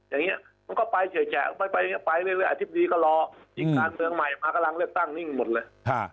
อย่างนี้มันก็ไปเฉยไปเรื่อยอธิบดีก็รออีกการเมืองใหม่มากำลังเลือกตั้งนิ่งหมดเลย